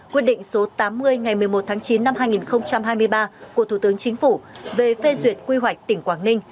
quyết định số tám mươi ngày một mươi một tháng chín năm hai nghìn hai mươi ba của thủ tướng chính phủ về phê duyệt quy hoạch tỉnh quảng ninh